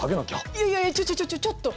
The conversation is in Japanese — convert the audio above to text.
いやいやちょちょちょちょっと！